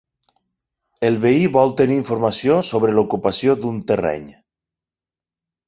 El veí vol tenir informació sobre l'ocupació d'un terreny.